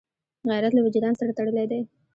غیرت له وجدان سره تړلی دی